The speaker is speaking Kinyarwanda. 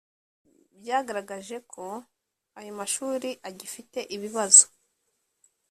byagaragaje ko ayo mashuri agifite ibibazo